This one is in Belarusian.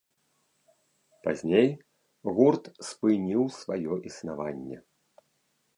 Пазней гурт спыніў сваё існаванне.